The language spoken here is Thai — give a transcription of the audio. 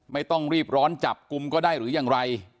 ไม่ต้องรีบร้อนจับกลุ่มก็ได้หรือยังไร